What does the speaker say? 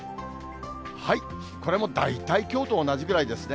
これも大体きょうと同じぐらいですね。